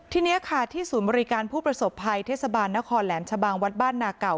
ทีนี้ค่ะที่ศูนย์บริการผู้ประสบภัยเทศบาลนครแหลมชะบังวัดบ้านนาเก่า